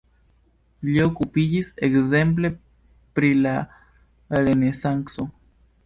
Li okupiĝis ekzemple pri la renesanco.